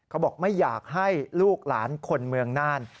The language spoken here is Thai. เขาบอกไม่อยากให้ลูกหลานคนเมืองน่าน